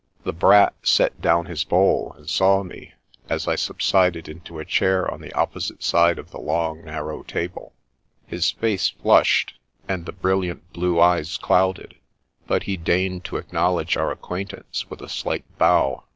The Brat set down his bowl, and saw me, as I subsided into a chair on the opposite side of the long, narrow table. His face flushed, and the brilliant A Shadow of Night 125 blue eyes clouded, but he deigned to acknowledge our acquaintance with a slight bow.